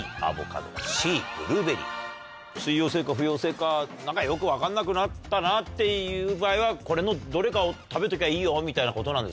水溶性か不溶性か何かよく分かんなくなったなっていう場合はこれのどれかを食べときゃいいよみたいなことなんですかね。